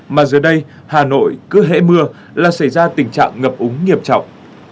mà giờ đây hà nội cứ hễ mưa là xảy ra tình trạng ngập úng nghiêm trọng